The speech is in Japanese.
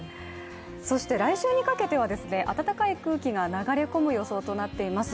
そして来週にかけては暖かい空気が流れ込む予想となっています。